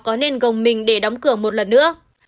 công minh để đóng cửa một lần nữa